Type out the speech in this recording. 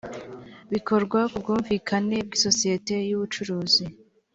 bikorwa ku bwumvikane bw’isosiyete y’ubucuruzi